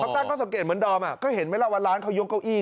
ตั้งข้อสังเกตเหมือนดอมก็เห็นไหมล่ะว่าร้านเขายกเก้าอี้